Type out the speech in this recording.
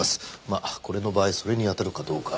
まあこれの場合それに当たるかどうか。